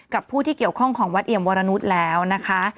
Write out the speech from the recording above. ผู้ที่เกี่ยวข้องของวัดเอี่ยมวรนุษย์แล้วนะคะ